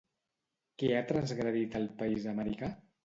Què ha transgredit el país americà?